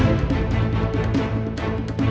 mas rasha tunggu